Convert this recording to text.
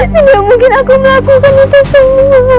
tidak mungkin aku melakukan itu semua